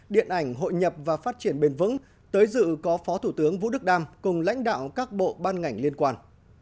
điện ảnh hội nhập và phát triển bền vững tới dự có phó thủ tướng vũ đức đam cùng lãnh đạo các bộ ban ngành liên quan